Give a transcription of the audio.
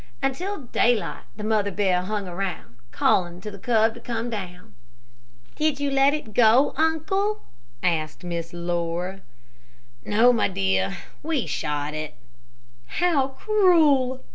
Until daylight the mother bear hung around, calling to the cub to come down." "Did you let it go, uncle?" asked Miss Laura. "No, my dear, we shot it." "How cruel!"